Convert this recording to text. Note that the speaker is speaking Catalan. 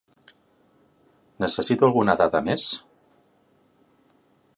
Necessito alguna dada més?